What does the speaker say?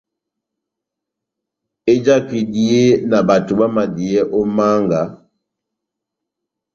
Ejaka ehidiye na bato bámadiyɛ ó manga,